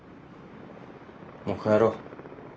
もう帰ろう。